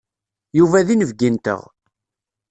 Yuba d inebgi-nteɣ.